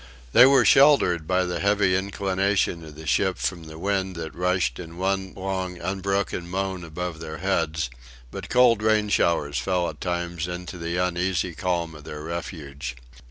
They were sheltered by the heavy inclination of the ship from the wind that rushed in one long unbroken moan above their heads, but cold rain showers fell at times into the uneasy calm of their refuge.